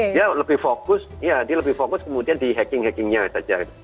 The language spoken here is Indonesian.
dia lebih fokus kemudian di hacking hackingnya saja